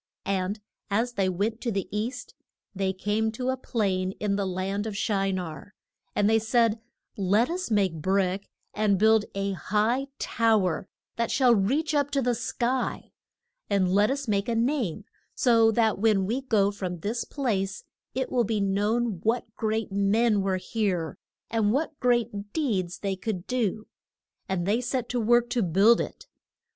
And as they went to the east they came to a plain in the land of Shi nar. And they said, Let us make brick and build a high tow er that shall reach up to the sky. And let us make a name, so that when we go from this place it will be known what great men were here, and what great deeds they could do. [Illustration: BUILD ING THE TOW ER OF BA BEL.] And they set to work to build it.